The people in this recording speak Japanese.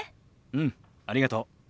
うんありがとう。